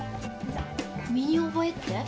身に覚えって？